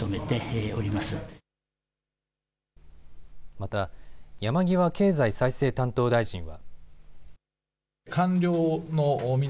また、山際経済再生担当大臣は。